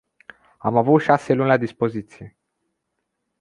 Am avut șase luni la dispoziție.